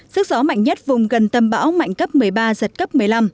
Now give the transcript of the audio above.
sức gió mạnh nhất vùng gần tâm bão mạnh cấp một mươi ba giật cấp một mươi năm